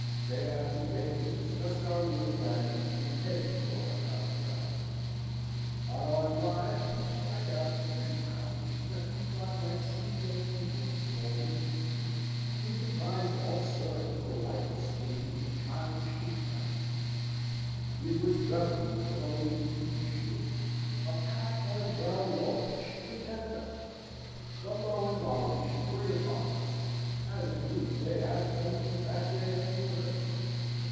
Day after day we discussed our little plans, with Hetty for our confidante. On our drives we spied out pretty cottages that we thought might suit young people of small means; we devised all sorts of delightful schemes and childish economies. We were Strephon and Chloe to be sure. A cot and a brown loaf should content us! Gumbo and Molly should wait upon us (as indeed they have done from that day until this).